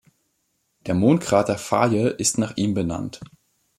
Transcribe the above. Der Mondkrater Faye ist nach ihm benannt.